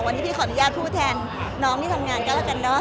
วันนี้พี่ขออนุญาตพูดแทนน้องที่ทำงานก็แล้วกันเนอะ